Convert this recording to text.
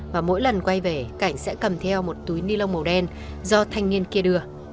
và mỗi lần quay về cảnh sẽ cầm theo một túi ni lông màu đen do thanh niên kia đưa